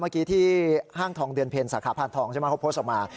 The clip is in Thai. เมื่อกี้ที่ห้างทองเดือนเพลสาขาพันธ์ทองเขาโพสต์ออกมา